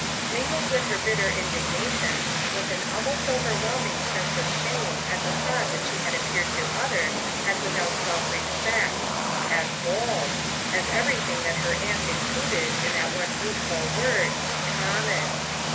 Mingled with her bitter indignation was an almost overwhelming sense of shame at the thought that she had appeared to others as without self respect; as bold; as everything that her aunt included in that one hateful word, "common."